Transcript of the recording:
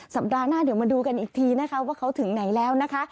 สัปดาห์หน้าเดี๋ยวมาดูกันอีกทีนะคะว่าเขาถึงไหนแล้วนะคะ